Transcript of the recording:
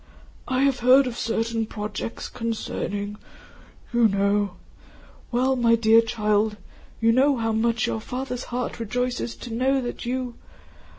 "I have heard of certain projects concerning... you know. Well my dear child, you know how your father's heart rejoices to know that you...